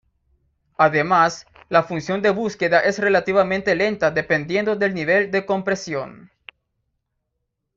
Además, la función de búsqueda es relativamente lenta dependiendo del nivel de compresión.